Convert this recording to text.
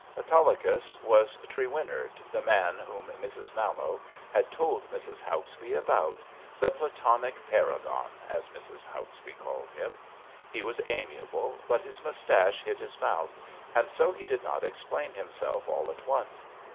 Autolycus was Trewinnard, the man whom Mrs. Mallowe had told Mrs. Hauksbee about — the Platonic Paragon, as Mrs. Hauksbee called him. He was amiable, but his moustache hid his mouth, and so he did not explain himself all at once.